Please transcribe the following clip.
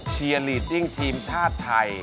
ชีอรีดดิ้งทีมชาติไทย